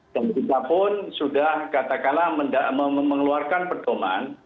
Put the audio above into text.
dan kita pun sudah katakanlah mengeluarkan pertemanan